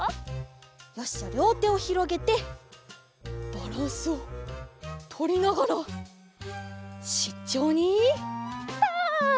よしじゃりょうてをひろげてバランスをとりながらしんちょうにトウ！